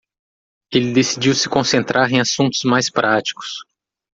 Ele decidiu se concentrar em assuntos mais práticos.